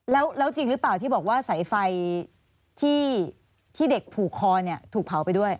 แล้วจริงหรือเปล่าที่บอกว่าสายไฟที่เด็กผูกคอเนี่ยถูกเผาไปด้วย